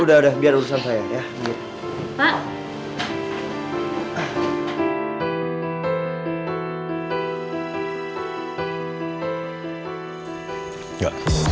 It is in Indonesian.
udah udah biar urusan saya ya